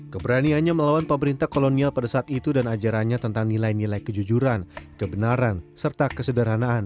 keberaniannya melawan pemerintah kolonial pada saat itu dan ajarannya tentang nilai nilai kejujuran kebenaran serta kesederhanaan